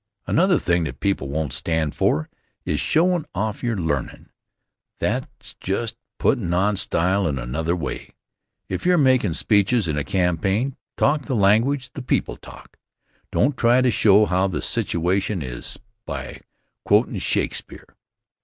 Another thing that people won't stand for is showin' off your learnin'. That's just puttin' on style in another way. If you're makin' speeches in a campaign, talk the language the people talk. Don't try to show how the situation is by quotin' Shakespeare.